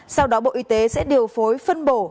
sau đó bộ y tế sẽ điều phối phân bổ